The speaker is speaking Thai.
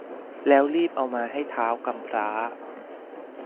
แล้วรีบเอามาให้ท้าวกำพร้า